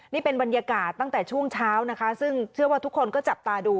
นี่เป็นบรรยากาศตั้งแต่ช่วงเช้านะคะซึ่งเชื่อว่าทุกคนก็จับตาดู